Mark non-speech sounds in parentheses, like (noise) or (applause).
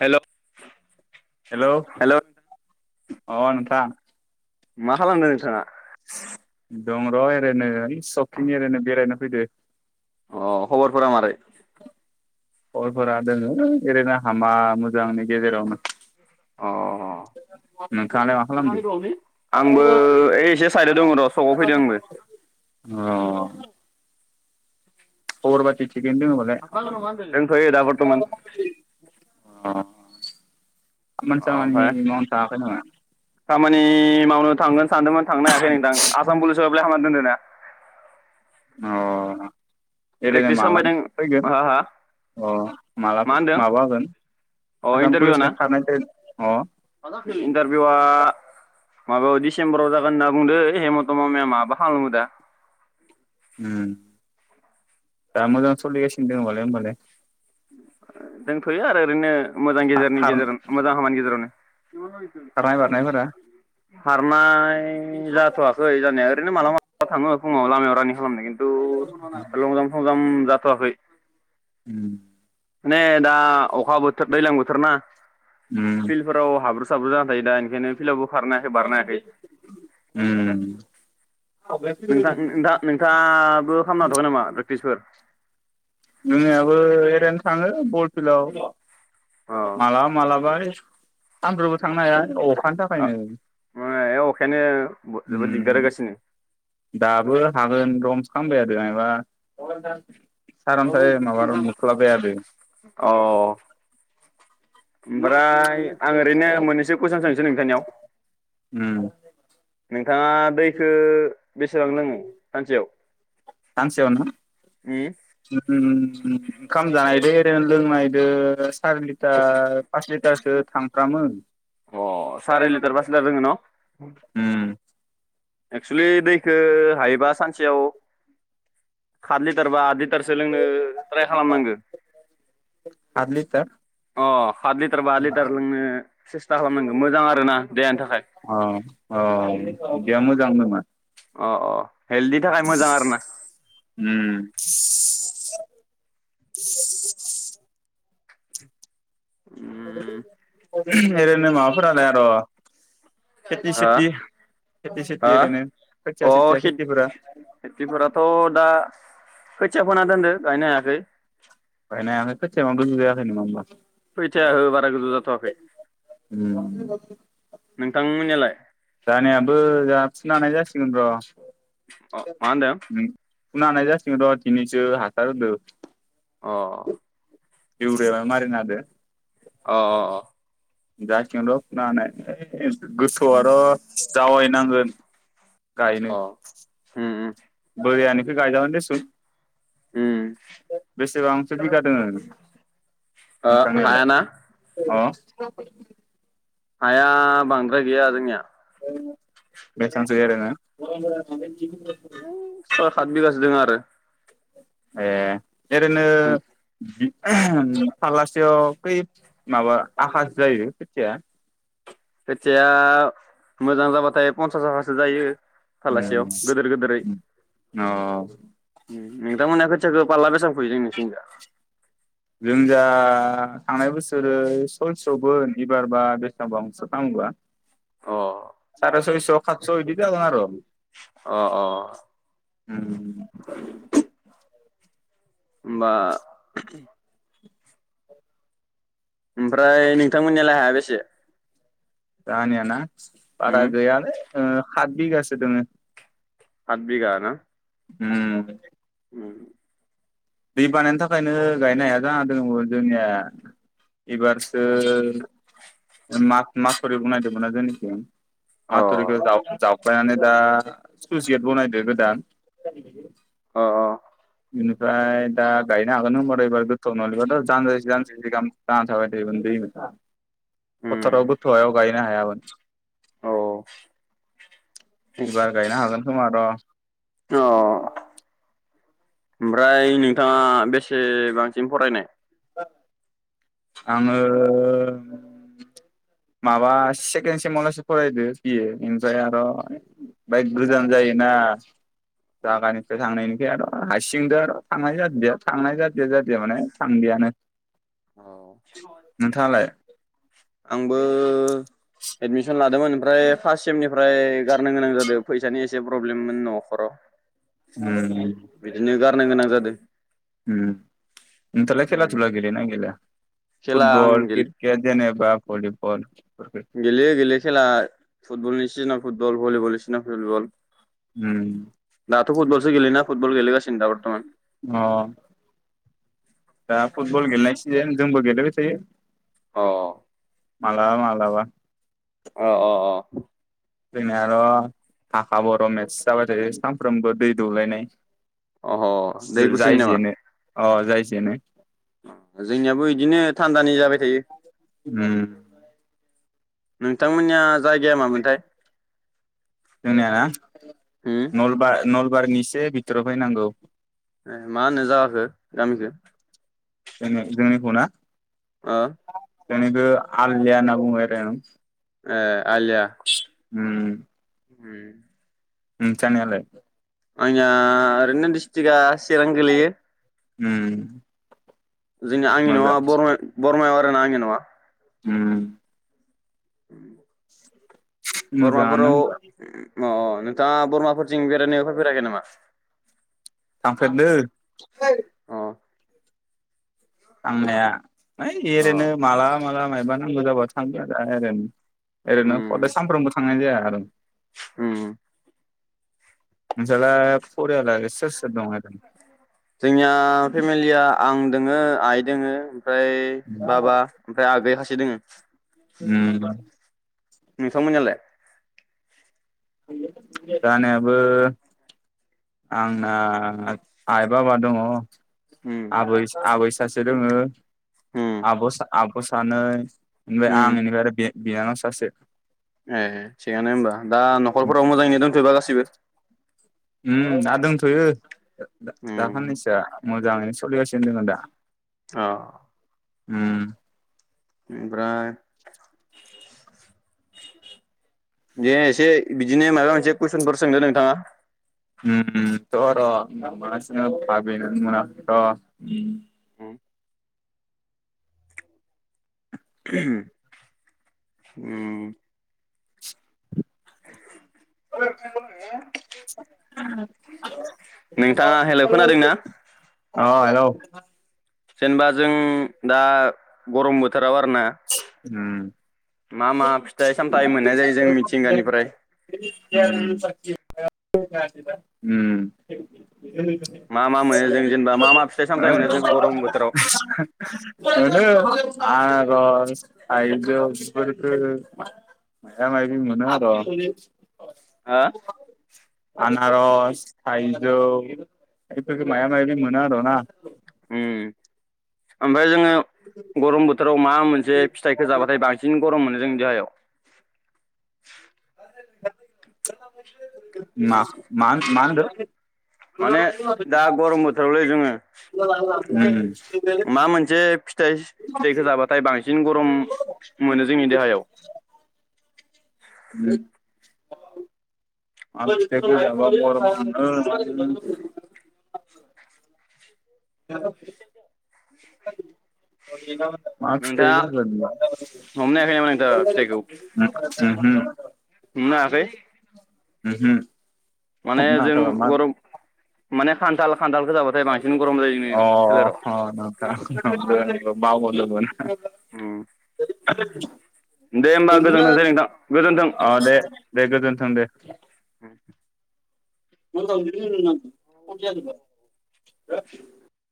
हेल' hello hello अ नोंथां मा खालामदों नोंथाङा दं र ओरैनो सकथिं ओरैनो बेरायनो फैदो अ खबरफोरा मारै खबरफोरा दोङो एरैनो हामा मोजांनि गेजेरावनो अ नोंथांङालाय मा खालामदो? आंबो ओइ एसे साइदआव दङ र' सकआव फैदों आंबो। (unintelligible) अ खबर बाकि (unintelligible) दंथयो दा बरतमान अ खामानि अ सामानि ओमफाय मावनो थाङाखै नामा खामानि मावनो थांगोन सानदोंमोन थांनो हायाखै नोंथां आसाम पुलिसाव एप्लाय खामना दोनदों ना अ (unintelligible) ओरैनो प्रेक्टिस माला खालामबायदों फैगोन हा हा अ माला मा होनदों माबा होगोन आसाम पुलिसनि खारनाय दो मा जाखो इन्टारभिउआ माबायाव दिडिसेम्बराव जागोन होनना बुंदो हेमन्त मामाया माबा खामो दा उम दा मोजां सलि गासिनो दंबा होनबालाय? दंथयो आरो ओरैनो मोजां गेजेरनि खारनाय गेजेराव मोजां हामानि गेजेरावनो। बारनायफोरा खारनाय जाथवाखै जानाया ओरैनो मालाबा मालाबा थाङो फुङाव लामायाव रानिं खालामनो किन ओ लंजाम्फ संजाम्फ जाथ आखै उम माने दा अखा बोथोर, दैज्लां बोथोर ना उम फिल्डफोराव हा ब्रु जाना थायो दा ओंखायनो फिलावबो खारनो हायाखै बारनो हायाखै। उम नोंथां नोंथां नोंथाङाबो खालामनो हाथआखै नामा प्रेकटिसफोर? मोनायावबो एरैनो थाङो बल फिल्डआव। अ मालाबा मालाबा ओइ सानफ्रामबो थांनो हाया अ अ माने अखायानो जोबोद दिगदार उम होगासिनो। दाबो हागोन रखमसो खामबाय थादो मायबा सारनथाइ माबा र मोख्लामबाय अ थादो ओमफ्राय आं ओरैनो मोननैसो कुइसन सोंनोसै नोंथांनियाव? उम नोंथाङा दैखो बेसेबां लोङो सानसेयाव? सानसेयाव ना ओम उम। ओंखाम जानायदो एरेन लोंनायदो सार लिटार पास लिटार स सो थांफ्रामो। अ सारि लिटार पास लिटार लोङो न? उम एक्सुयेलि दैखौ हायोबा सानसेयाव सात लिटार बा आत लिट टारसो लोंनो ट्राय खालाम नांगो आद लिटार । अ हात लिटार बा आत लिटार लोंनो सेस्था खालामनांगौ मोजां आरोना देहानि थाखाय। अ अ बिदिया मोजां नामा? अ अ। हेल्थनि थाखाय मोजां आरो ना उम। (unintelligible) उम (unintelligible) एरैनो माबाफोरानो आर हा खेथि सेथि हा ओरैनो खोथिया अ सेथिया खेथिफोरा खेथ-खेथिफोराथ दा खोथिया फोना दोनदो गायनो हायाखै नो हायाखै खोतिया मा गोजौ जायाखै नामा होमबा फैथाया हो बारा गोजौ जाथवाखै उम नोंथां नो यालाय जोहानियाबो जोहा फुनो हानाय जासिगोन र अ मा होनदों फुनो हानाय जासिगोन र दिनैसो हासार होदों अ इउरिया माइ मारिना होदो अ अ अ जसिगोन र फुनो हानाय ओइ गोसोआ र जावायनांगोन गायनो अ उम उम बैरियानि इखो गायजागोन दिसुन ओम बेसेबां खैबिगा दोङो ओ हायाना नोंथांनियालाय अह हाया बांद्राय गैया जोंनिया बे सान्से एरेनो है सात हाद बिगासो दङआरो एह ओरेनो (unintelligible) कै माबा आहास जायो खोथिया? खोथिया मोजां जाबाथाय पन्सास (unintelligible) जायो। फालासेयाव ओं गिदिर गिदिरै ओम औ उम नोंथांमोना खोथियाखौ फारला बेसेबां फोयो नोंसोनिथिंजा? जों इजा थांनाय बोसो (unintelligible) खौबो बिबार बा (unintelligible) अ सारे सयस खातस इदि जागोन आर। ओम अ अ होमबा ओमफ्राय नोंथांमोननियालाय हाया बेसे? जाहानिया ना? उम बारा गैयालै ओ हात बिगासो दङो। आद बिगा ना? उम उम दै बानायनि थाखायनो गायनाय हाया जानादो (unintelligible) एबारसो माग-माग फोर (unintelligible) (unintelligible) अ बायानो दा (unintelligible) गेत बनायदो गोदान। अ बिनिफ्राय दा गायनो हागोन होमबा दा एबार (unintelligible) (unintelligible) दै (unintelligible) उम फथाराव (unintelligible) गाय (unintelligible) औ औ इबार गायनो हागोन खोमा र (unintelligible) ओमफ्राय नोंथाङा बेसेबांसिम फरायनाय? आङो माबा सेकेन्द सेमलासि फरायदो बि ए ओमफ्राय आर बाय गोजान जायोना। जागा निफ्राय थांनायनि (unintelligible) थांनाय जादिया थांनाय जादिया जादिया माने थांदियानो। औ नोंथाङालाय? आंबो एदमिसन लादोंमोन ओमफ्राय फार्स्ट सेमनिफ्राय गारनो गोनां जादों फैसानि एसे प्रब्लेममोन न'खराव। बिदिनो गारनो गोनां जा (inaudible) हुम नोंथलाय खेला थुला गेलयो ना गेलया? खेला आं फुटबल, किटकेट जेनेबा भलिबल बेफोरखो? गेलेयो गेलेयो खेला फुटबलनि सिजोनाव फुटबल भलिबलनि सिजोनाव भलिबल। उम दाथ' फुटबलस गेलेयोना फुटबल गेले गा (unintelligible) बरथ'मान अ। दा फुटबल गेलनाय सिजेन जोंबो गेलेबाय थायो। अ। मालाबा मालाबा। ओ अ अ। जोंनिया र हाखा बर' मेटस जाबाय थायो सानफ्रोमबो दै दौलायनाय। अह दै गुसुनि जाय नामा? जेनो अ जाय जेनो। अ जोंनियाबो इदिनो थान्दानि जाबाय थायो। उम। नोंथांमोन्निया जायगाया मामोन्थाय? जोंना नलबा नल बारिनि से बिथोराव फैनांगौ। ए मा होनो जाखो गामिखो? जों जोंनिखौ ना? आ। जोंनिखौ आलनिया होन्ना बुङो आरो। ओ आलिया। उम। नोंथांनियालाय? आनिया ओरैनो दिसट्रिक आ चिरां गोलैयो। उम। जोंनि आंनि नआ मोजां बर' बरमायाव आरोना‌ आंनि नङा। उम। मोजाङानो बरमाफोराव होनबा। अ नोंथाङा बरमाफोर थिं बेरायनायावफोर बेरायनो फैफेराखै नामा? थांफेरदो ओइ, अ आंनाया, माय अ एरोनो मालाबा मालाबा मायबा, फोननो जाबा थांगोन आरो। ओरैनो उम खदाय सानफ्रोमबो थांनाय जाया आरो। (inaudible) उम। (inaudible) नोंसालाय फरियाल सो सो दं ओ जोंनिया फेमिलिया आं। दोङो आइ दोङो। ओफ्राय बाबा ओमफ्राय आगै हासे दङ उम नोंथां मोननियालाय? (unintelligible) जानायाबो आंना आइ बाबा दङो। उम आबैस आबैस। सासे दङो। उम आबस आबस। सानै ओनबाय आं उम बेनिफ्राय आरो बे, बिनानाव सासे, ए थिगानो होनबा दा न'खरफोराव मोजाङैनो दंजोबोबा गासिबो उम दा दंथयो दा दा उम खानैसोआ मोजाङैनो सोलिगासिनो दोङो दा? औ उम ओमफ्राय दे एसे बिदिनो माबा मोनसे कुइसनफोर सोंदो नोंथाङा, ओम ओम र र मा सोंनो भाबेनानै मोनाखै र' उम उम ओम ओम नोंथाङा हेलौ खोनादोंना (unintelligible) औ हेलौ, (inaudible) जेनेबा जों दा। गरम बोथोर। मा मा उम फिथाइ सामथाइ मोननाय जायो जों मिथिंगानिफ्राय उम। उम। मा मा मोनो जों जेनेबा मा मा फिथाइ सामथाइ (unintelligible) मोनो जों गरम बोथोराव ओहो (unintelligible) आनारस, थायजौ बेफोरखौ माइबा मायबि मोनो आरो हो? आनारस, थाइजौ बेफोरफोरखौ मायबा मायबि मोनो आरोना। उम ओम फ्राय जोङो गरम बोथोराव मा मोनसे फिथाइखौ जाबाथाय बांसिन गरम मोनो जों देहायाव। मा मा मा होनदों? माने दा गरम बोथोरावलैय जोंङो। उम उम। मा मोनसे फिथाइ फिथाइखौ जाबाथाय बांसिन गरम मोनो जोंनि देहायाव? उम मा फिथाय? (inaudible) (inaudible) (inaudible) मा फिथाइ नोंथाङा जागोन हमनो हायाखै नामा (unintelligible) नोंथाङा फिथाइखौ उमहो ओमहो हमनो हायाखै माने जों गरम माने खान्थाल खान्थालखो जाबाथाय बां अ अ नोंथां (unintelligible) बावगारदोंमोन उम (unintelligible) दे होमबा गोजोनथोंसै नोंथां गोजोनथों अ दे दे गोजोन्थों दे। उम (unintelligible) (unintelligible)